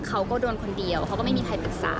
เขาก็โดนคนเดียวเขาก็ไม่มีใครปรึกษา